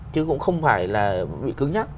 chứ cũng không phải là bị cứng nhắc